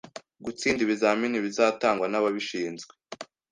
Gutsinda ibizamini bizatangwa nababishinzwe